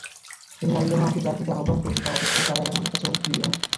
এই নারীগণ আমাকে যার প্রতি আহ্বান করছে তা অপেক্ষা কারাগার আমার কাছে অধিক প্রিয়।